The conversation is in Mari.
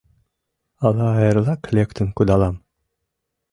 Ала эрлак лектын кудалам.